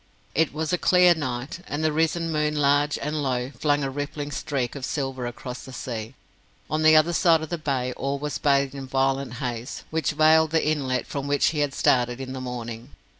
It was a clear night, and the risen moon large and low, flung a rippling streak of silver across the sea. On the other side of the bay all was bathed in a violet haze, which veiled the inlet from which he had started in the morning.